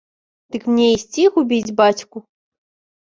Дык мне ісці губіць бацьку?